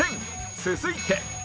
続いて